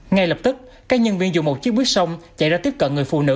ngay lập tức các nhân viên dùng một chiếc buýt sông chạy ra tiếp cận người phụ nữ